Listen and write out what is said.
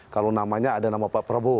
kalau namanya ada nama pak prabowo